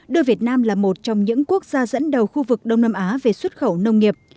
đưa việt nam là một trong những quốc gia dẫn đầu khu vực đông nam á về xuất khẩu nông nghiệp